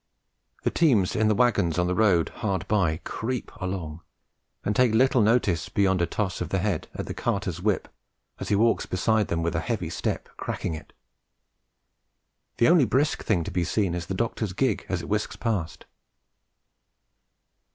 The teams in the waggons on the road hard by creep along and take little notice beyond a toss of the head at the carter's whip as he walks beside them with a heavy step cracking it. The only brisk thing to be seen is the doctor's gig as it whisks past.